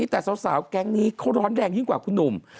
แต่สาวแก๊งนี้เขาร้อนแรงยิ่งกว่าคุณหนุ่ม